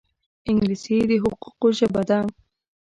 انګلیسي د حقوقو ژبه ده